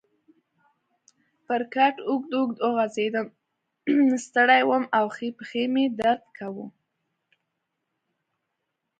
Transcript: پر کټ اوږد اوږد وغځېدم، ستړی وم او ښۍ پښې مې درد کاوه.